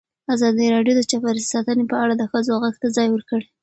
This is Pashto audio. ازادي راډیو د چاپیریال ساتنه په اړه د ښځو غږ ته ځای ورکړی.